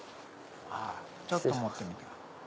ちょっと持ってみてください。